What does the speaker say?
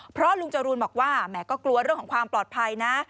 เพราะลุงจรูนบอกว่าแหมก็กลัวเรื่องของความปลอดภัยนะ